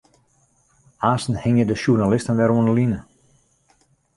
Aansten hingje de sjoernalisten wer oan 'e line.